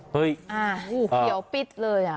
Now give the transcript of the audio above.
เขียวปิดเลย